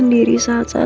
untuk memulai hidup baru